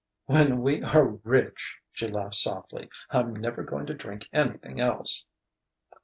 "When we are rich," she laughed softly, "I'm never going to drink anything else!"